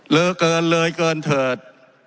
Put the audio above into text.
เกินเลยเกินเถิด